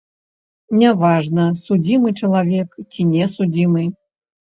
Не важна, судзімы чалавек, ці не судзімы.